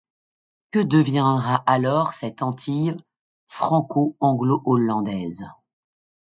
Que deviendra alors cette Antille franco-anglo-hollandaise ?…